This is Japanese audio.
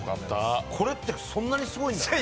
これってそんなにすごいんだね。